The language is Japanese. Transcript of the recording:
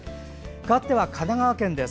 かわっては神奈川県です。